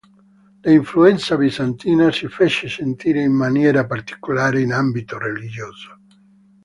L'influenza bizantina si fece sentire in maniera particolare in ambito religioso.